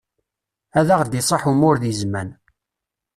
Ad ɣ-d-iṣaḥ umur di zzman.